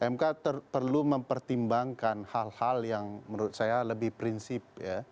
mk perlu mempertimbangkan hal hal yang menurut saya lebih prinsip